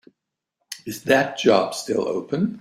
Is that job still open?